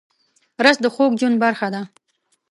رس د خوږ ژوند برخه ده